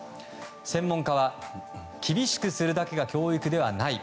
専門家は厳しくするだけが教育ではない。